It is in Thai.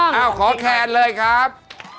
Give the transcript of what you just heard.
ถูกต้องขอแคลนเลยครับ